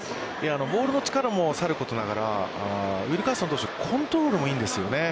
ボールの力もさることながら、ウィルカーソン投手、コントロールもいいんですよね。